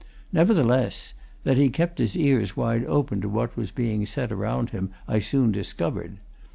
Nevertheless, that he kept his ears wide open to what was being said around him, I soon discovered.